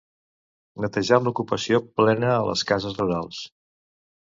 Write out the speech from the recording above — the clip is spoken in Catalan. Netejant l'ocupació plena a les cases rurals.